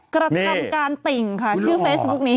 กระทำการติ่งค่ะชื่อเฟซบุ๊กนี้